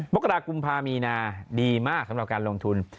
มกรากุมภามีนาดีมากสำหรับการลงทุน